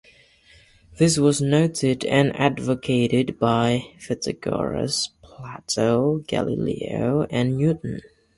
This was noted and advocated by Pythagoras, Plato, Galileo, and Newton.